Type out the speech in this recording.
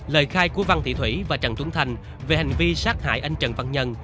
lời khai của văn thị thủy và trần tuấn thành về hành vi sát hại anh trần văn nhân